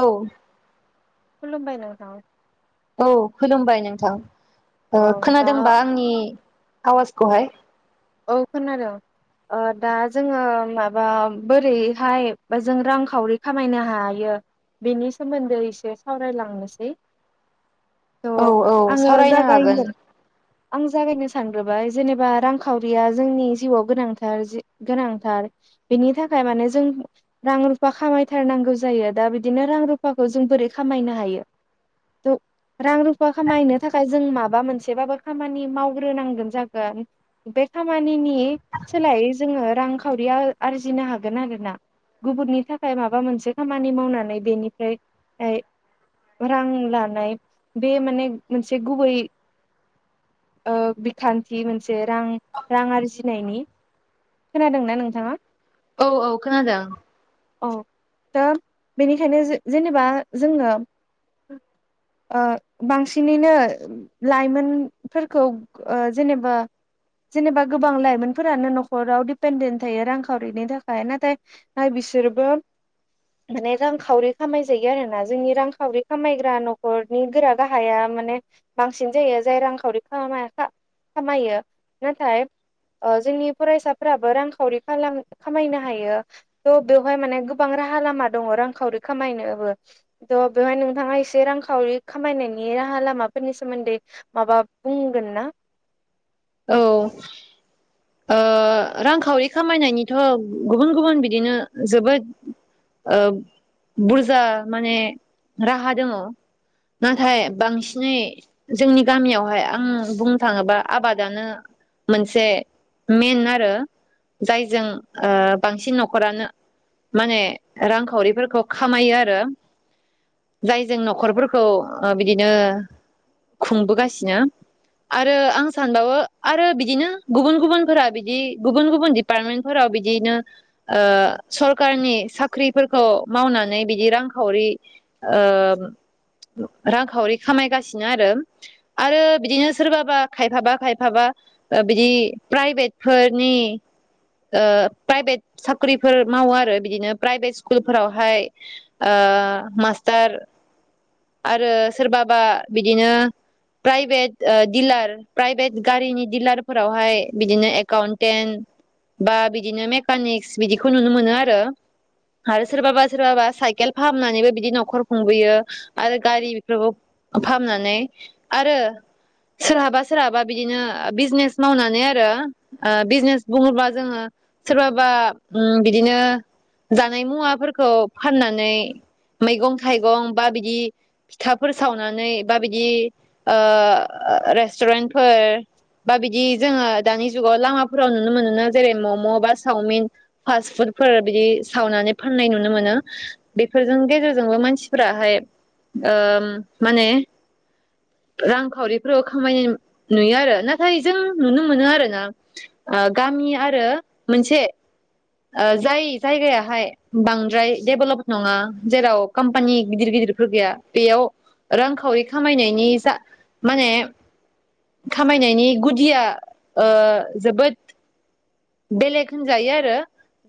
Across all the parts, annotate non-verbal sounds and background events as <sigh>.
औ खलुमबाय नोंथां। औ खुलुमबाय नोंथां। ओ औ दा खोनादोंबा आंनि आवाजखौहाय? औ खोनादों। ओ दा जोङो माबा बोरैहाय जों रांखावरि खामायनो हायो बेनि सोमोन्दै एसे सावरायलांनोसै। औ थ' औ आङो सावरायनो हागोन। जागायनो आं जागायनो सानग्रोबाय जेनेबा रां‌ खावरिया जोंनि जिउआव गोनांथार गोनांथार बेनि थाखाय माने जों रां रुफा खामायथारनांगौ जायो। दा बिदिनो रां रुफाखौ जों बोरै खामायनो हायो। थ' रां रुफा खामायनो थाखाय जों माबा मोनसेबाबो खामानि मावग्रोनांगोन जागोन। बे खामानिनि नि सोलायै जोङो रांखावरिया आरजिनो हागोन आरो ना गुबुननि थाखाय माबा मोनसे खामानि मावनानै बेनिफ्राय रां लानाय बे माने मोनसे ओ गुबै बिखान्थि मोनसे रां रां आरजिनायनि। खोनादोंना नोंथाङा? औ औ खोनादों। औ दा बेनिखायनो जेने जेनेबा जोङो ओ बांसिनैनो लाइमोनफोरखौ ओ जेनेबा जेनेबा गोबां लाइमोनफोरानो न'खराव दिपेेनडेन्ट थायो रांखावरिनि थाखाय नाथाय बिसोरबो माने रांखावरि खामायजायो आरोना जोंनि रांखावरि खामायग्रा न'खरनि गोरा गाहाया माने बांसिन जायो जाय रांखावरि खामा खामायो। नाथाय ओ जोंनि फरायसाफोराबो रांखावरि खालाम खामायनो हायो थ' बेवहाय माने गोबां राहा लामा दङ रांखावरि खामायनोबो थ' बेवहाय नोंथाङा एसे रांखावरि खामायनायनि राहा लामाफोरनि सोमोन्दै माबा बुंगोन ना? औ ओ रांखावरि खामायनायनिथ' गुबुन गुबुन बिदिनो जोबोद बुरजा माने राहा दङ'। नाथाय बांसिनै जोंनि गामियावहाय आं बुंनो थाङोबा आबाद दानो मोनसे मेन आरो जायजों बांसिन न'ख'रानो माने रांखावरिफोरखौ खामायो आरो। जाय जों न'खरफोरखौ ओ बिदिनो खुंबोगासिनो आरो आं सानबावो आरो बिदिनो गुबुन गुबुनफोरा बिदि गुबुन गुबुन डिपार्टमेन्टफोराव बिदिनो ओ सरकारनि साख्रिफोरखौ मावनानै बिदि रांखावरि ओ रांखावरि खामायगासिनो आरो। आरो बिदिनो सोरबाबा खायफाबा खायफाबा ओ बिदि प्राइभेटफोरनि ओ प्राइभेट साख्रिफोर मावो आरो बिदिनो प्राइभेट स्कुलफोरावहाय ओ मास्टार आरो सोरबाबा बिदिनो प्राइभेट ओ दिलार प्राइभेट गारिनि दिडिलारफोरावहाय बिदिनो एकाउन्टेन्ट बा बिदिनो मेकानिक्स बिदिखौ नुनो मोनो आरो। आरो सोरबाबा सोरबाबा साइकेल फाहामनानैबो बिदि न'खर खुंबोयो आरो गारि बेफोरबो फाहामनानै आरो सोरहाबा सोरहाबा बिदिनो बिजनेस मावनानै आरो ओ बिजनेस बुङोबा जोङो सोरबाबा ओ बिदिनो जानाय मुवाफोरखौ फाननानै मैगं थाइगं बा बिदि फिथाफोर सावनानै बा बिदि ओ रेस टुरेन्टफोर बा बिदि जोङो दानि जुगाव लामाफोराव नुनो मोनो जेरै मम' बा सावमिन फास्ट फुडफोर बिदि सावनानै फाननाय नुनो मोनो। बेफोरजों गेजेरजोंबो मानसिफोरहा ओ माने रांखावरिफोर खामायनाय नुयो आरो नाथाय जों नुनो मोनो आरोना ओ गामि आरो मोनसे जाय जायगायाहाय बांद्राय डेभेलप नङा जेराव कम्पानि गिदिर गिदिरफोर गैया बेयाव रांखावरि खामायनायनि जा माने खामायनायनि गुदिया ओ जोबोद बेलेग होनजायो आरो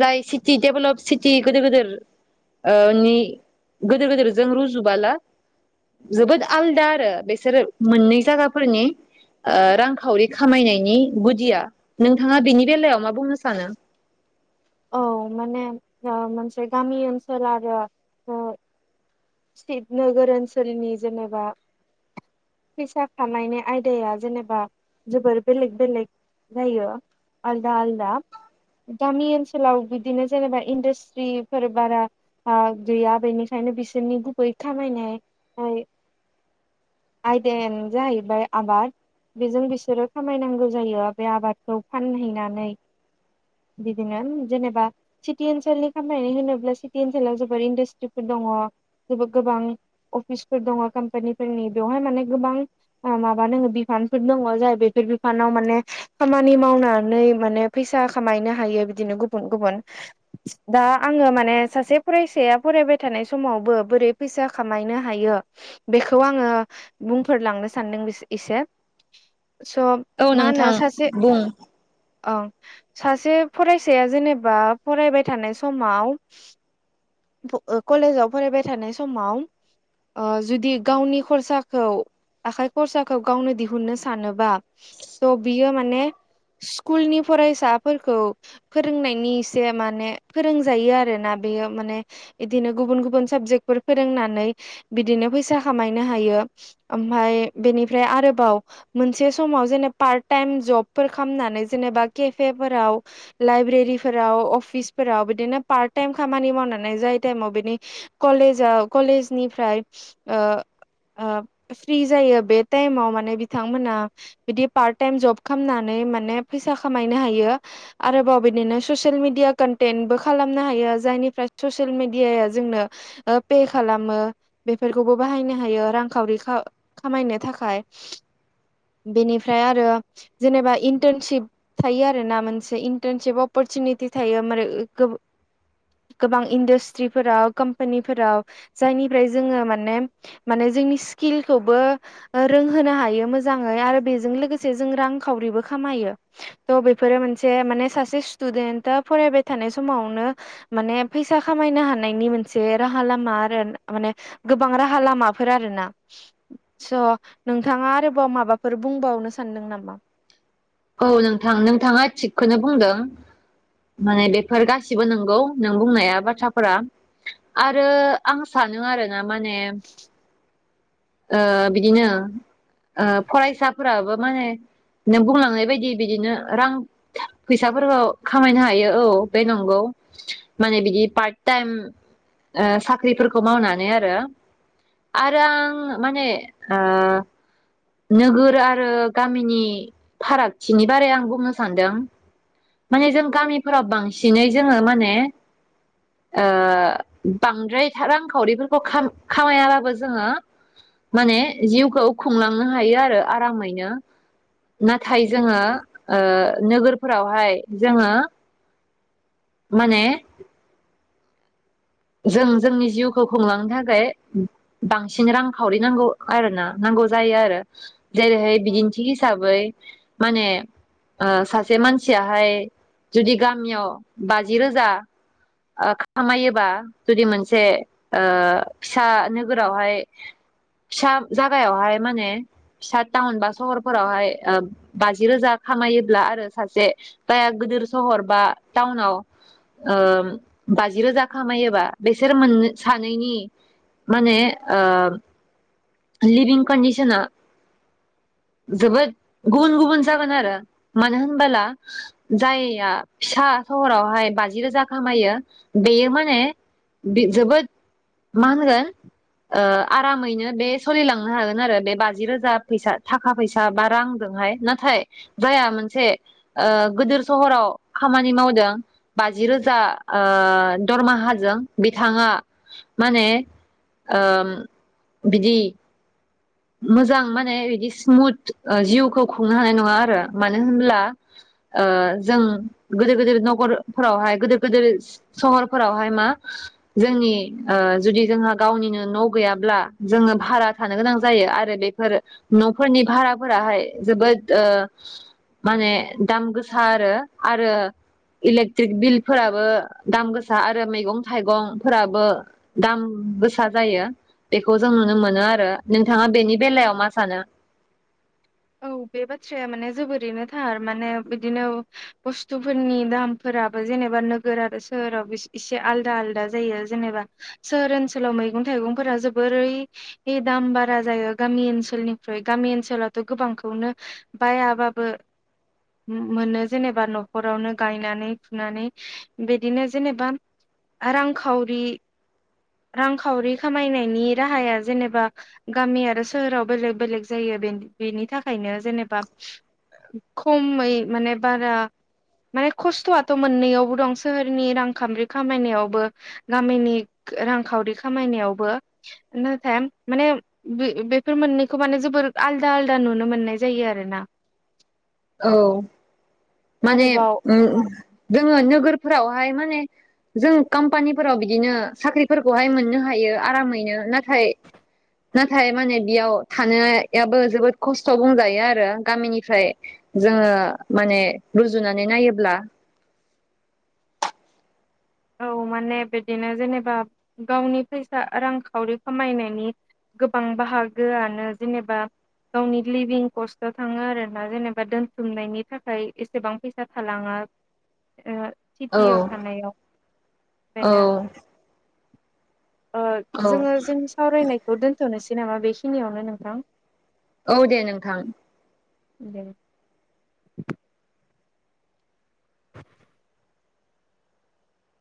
जाय सिटि डेभेलप सिटि गोदोर गोदोर ओ नि गोदोर गोदोरजों रुजुबोला जोबोद आलदा आरो बेसोरो मोननै जागाफोरनि ओ रांखावरि खामायनायनि गुदिया। नोंथाङा बिनि बेलायाव मा बुंनो सानो? औ माने ओ मोनसे गामि ओनसोल आरो ओ सिटि नोगोर ओनसोलनि जेनेबा फैसा खामायनाय आयदाया जेनेबा जोबोर बेलेग बेलेग जायो आलदा आलदा। गामि ओनसोलाव बिदिनो जेनेबा इन्डास्ट्रिफोर बारा गैया बेनिखायनो बि सोरनि गुबै खामायनाय आयदायानो जाहैबाय आबाद बेजों बिसोरो खामायनांगौ जायो बे आबादखौ फानहैनानै बिदिनो जेनेबा सिटि ओनसोलनि खामायनाय होनोब्ला सिटि ओनसोलाव जोबोर इन्डासट्रिफोर दङ'। जोबो गोबां अफिसफोर दङ कम्पानिफोरनि बेवहाय माने गोबां माबा दङ बिफानफोर दङ' जाय बेफोर बिफानाव माने खामानि मावनानै माने फैसा खामायनो हायो बिदिनो गुबुन गुबुन दा आङो माने सासे फरायसाया फरायबाय थानाय समाव बो बोरै फैसा खामायनो हायो बेखौ आङो बुंफोरलांनो सानदों एसे। स' औ नोंथां बुं। औ सासे फरायसाया जेनेबा फरायबाय थानाय समाव फ ओ कलेजाव फरायबाय थानाय समाव ओ जुदि गावनि खरसाखौ आखाइ खरसाखौ गावनो दिहुननो सानोबा थ' बियो माने स्कुलनि फरायसाफोरखौ फोरोंनायनि एसे माने फोरोंजायो आरोना। बेयो माने बिदिनो गुबुन गुबुन साबजेकफोर फोरोंनानै बिदिनो फैसा खामायनो हायो। ओमफ्राय बेनिफ्राय आरोबाव मोनसे समाव जेनेबा पार्ट टाइम जबफोर खालामनानै जेनेबा केे फे फोराव लाइब्रेरिफोराव अफिसफोराव बिदिनो पार्ट टाइम खामानि मावनानै जाय टाइमाव बिनि कलेजाव कलेजनिफ्राय ओ ओ फ्रि जायो बे टाइमाव माने बिथांमोना बिदि पार्ट टाइम जब खालामनानै माने फैसा खामायनो हायो आरोबाव बिदिनो ससियेल मिडिया कन्टेन्टबो खालामनो हायो जायनिफ्राय ससियेल मेडियाया जोंनो ओ पे खालामो बेफोरखौबो बाहायनो हायो रांखावरि खा खामायनो थाखाय बेनिफ्राय आरो जेनेबा इन्टार्नशप थायो आरोना मोनसे इन्टार्नशप अपरचुनिटि थायो माने गोबां इन्डासट्रिफोराव कम्पानिफोराव जायनिफ्राय जोङो माने माने जोंनि स्किलखौबो रोंहोनो हायो मोजाङै आरो बेजों लोगोसे जों रांखावरिबो खामायो। थ' बेफोरो मोनसे माने सासे स्टुडेन्ट फरायबाय थानाय समावनो माने फैसा खामायनो हानायनि मोन से राहा लामा आरो माने गोबां राहा लामाफोर आरोना। स' नोंथाङा आरोबाव माबाफोर बुंबावनो सानदों नामा? औ नोंथां नोंथाङा थिगखौनो बुंदों माने बेफोर गासिबो नंगौ नों बुंनाया बाथ्राफोरा। आरो आं सानो आरोना माने ओ बिदिनो ओ फरायसा फोराबो माने नों बुंलांनाय बेबायदि बिदिनो रां फैसाफोरखौ खामायनो हायो औ बे नंगौ माने बिदि पार्ट टाइम ओ साख्रिफोरखौ मावनानै आरो आरो आं माने ओ नोगोर आरो गामिनि फारागथिनि बारै आं बुंनो सानदों। माने जों गामिफोराव बांसिनै जोङो माने ओ बांद्राय रांखावरिफोरखौ खाम खामायाबाबो जोङो माने जिउखौ खुंलांनो हायो आरो आरामैनो। नाथाय जोङो ओ नोगोरफोरावहाय जोङो माने जों जोंनि जिउखौ खुंलांनो थाखाय बांसिन रांखावरि नांगौ आरो ना नांगौ जायो आरो। जेरैहाय औ बिदिन्थि हिसाबै माने ओ सासे मानसियाहाय जुदि गामियाव बाजि रोजा खामायोबा जुदि मोनसे ओ फिसा औ नोगोरावहाय फिसा जागायावहाय माने फिसा टाउन बा सहरफोरावहाय ओ बाजि रोजा खामायोब्ला आरो सासे गाया गिदिर सहर बा टाउनाव ओ बाजि रोजा खामायोबा बेसोर मोन सानैनि माने ओ लिभिं कन्डिसना जोबोद गुबुन गुबुन जागोन आरो मानो होनबोला जायया फिसा सहरावहाय बाजि रोजा खामायो बेयो माने बे जोबोद मा होनगोन आरामैनो बे सलिलांनो हागोन आरो बे बाजि रोजा फैसा थाखा फैसा बा रांजोंहाय नाथाय जायहा मोनसे ओ गदोर सहराव खामानि मावदों बाज रोजा ओ दरमाहाजों बिथाङा माने ओ बिदि मोजां माने बिदि स्मुथ ओ जिउखौ खुंनो हानाय नङा आरो मानो होनब्ला ओ जों गोदोर गोदोर नगरफोरावहाय गोदोर गोदोर सहरफोरावहाय मा जोंनि ओ जुदि जोंहा गावनिनो न' गैयाब्ला जोङो भारा थानो गोनां जायो। आरो बेफोर न'फोरनि भाराफोराहाय जोबोद ओ माने दाम गोसा आरो आरो इलेक्ट्रिक बिलफोराबो दाम गोसा आरो मैगं थाइगंफोराबो दाम गोसा जायो। बेखौ जों नुनो मोनो आरो। नोंथाङा बेनि बेलायाव मा सानो? औ बे बाथ्राया माने जोबोरैनो थार माने बिदिनो बुस्थुफोरनि दामफोराबो जेनेबा नोगोर आरो सोहोराव एसे आलदा आलदा जायो जेनेबा सोहोर ओनसोलाव मैगं थाइगंफोरा जोबोरै दाम बारा जायो गामि ओनसोलनिफ्रायु गामि ओनसोलाव गोबांखौनो बायाबाबो मोनो जेनेबा न'खरावनो गायनानै फुनानै बिदिनो जेनेबा रांखावरि रांखावरि खामायनायनि राहाया जेनेबा गामि आरो सोहोराव बेलेग बेलेग जायो बे बेनि थाखायनो जेनेबा खमै माने बारा माने खस्थ'आथ' मोननैयावबो दं सोहोरनि रांखामरि खामायनायावबो गामिनि रांखावरि खामायनायावबो नाथाय माने बे बेफोर मोननैखौ माने जोबोर आलदा नुनो मोननाय जायो आरो ना। औ माने आरोबाव ओम जोङो नोगोरफोरावहाय माने जों कम्पानिफोराव बिदिनो साख्रिफोरखौहाय मोननो हायो आरामैनो नाथाय नाथाय माने बेयाव थानायाबो जोबोद खस्थ' बुंजायो आरो गामिनिफ्राय जोङो माने रुजुनानै नायोब्ला। औ माने बिदिनो जेनेबा गावनि फैसा रांखावरि खामायनायनि गोबां बाहागोआनो जेनेबा गावनि लिभिं कस्टआव थाङो आरोना जेनेबा दोनथुमनायनि थाखाय एसेबां फैसा थालाङा। औ सिथियाव थानायाव। औ ओंखायनो ओ औ जोङो जोंनि सावरायनायखौ दोनथ'नोसै नामा बेखिनियावनो नोंथां? औ दे नोंथां। दे। <inaudible> <inaudible>